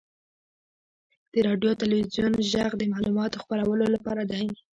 • د راډیو او تلویزیون ږغ د معلوماتو خپرولو لپاره دی.